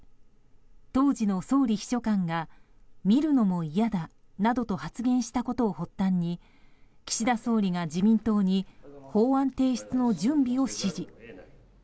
当時の総理秘書官が見るのも嫌だなどと発言したことを発端に岸田総理が自民党に法案提出の準備を指示。